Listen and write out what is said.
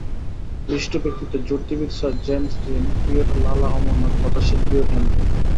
বিশিষ্ট ব্যক্তিত্ব জ্যোতির্বিদ sir James Jeans, cricketer Lala Amarnath, কথাশিল্পীও Henry.